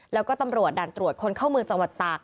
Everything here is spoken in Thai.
แล้วก็ตำรวจด่านตรวจคนเข้าเมืองจังหวัดตาก